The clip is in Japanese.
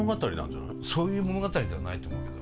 そういう物語ではないと思うけど。